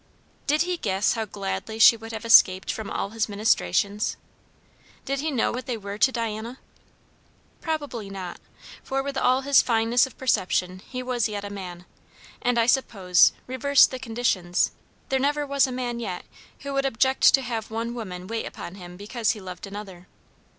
Did he guess how gladly she would have escaped from all his ministrations? did he knew what they were to Diana? Probably not; for with all his fineness of perception he was yet a man; and I suppose, reverse the conditions, there never was a man yet who would object to have one woman wait upon him because he loved another.